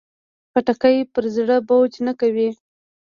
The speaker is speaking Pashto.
خټکی پر زړه بوج نه کوي.